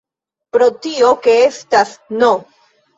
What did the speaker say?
Pro tio ke estas "n!